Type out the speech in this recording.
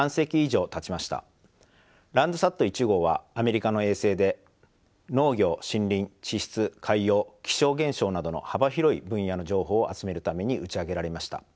Ｌａｎｄｓａｔ１号はアメリカの衛星で農業森林地質海洋気象現象などの幅広い分野の情報を集めるために打ち上げられました。